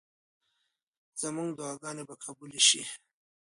زموږ دعاګانې به قبولې شي.